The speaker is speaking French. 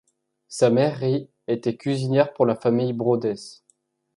Sa mère Rit était cuisinière pour la famille Brodess.